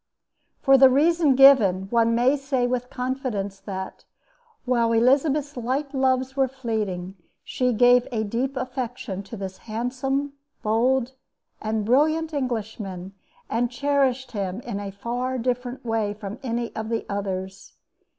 For the reason given, one may say with confidence that, while Elizabeth's light loves were fleeting, she gave a deep affection to this handsome, bold, and brilliant Englishman and cherished him in a far different way from any of the others.